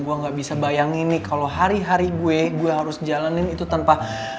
gue gak bisa bayangin nih kalau hari hari gue gue harus jalanin itu tanpa